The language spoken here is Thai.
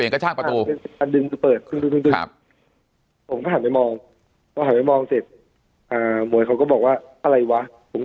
ต้องดึงไปเปิดผมก็หันไปมองเสร็จหมวยเขาก็บอกว่าอะไรวะ